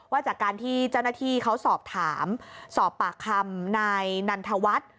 ว่าจากการที่เจ้าหน้าที่เขาสอบถามสอบปากคำนายนันทวัฒน์